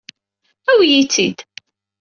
Awi-yi-tt-id.